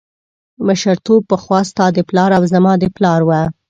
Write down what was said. مشرتوب پخوا ستا د پلار او زما د پلار و.